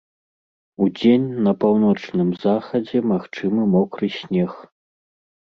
Удзень на паўночным захадзе магчымы мокры снег.